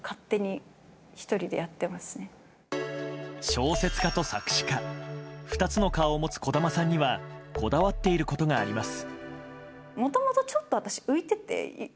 小説家と作詞家２つの顔を持つ児玉さんにはこだわっていることがあります。